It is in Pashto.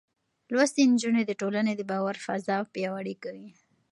لوستې نجونې د ټولنې د باور فضا پياوړې کوي.